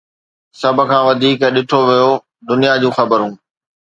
سڀ کان وڌيڪ ڏٺو ويو دنيا جون خبرون